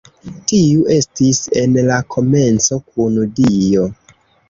Tiu estis en la komenco kun Dio.